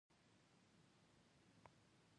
د عضلاتو د روغتیا لپاره باید څه شی وخورم؟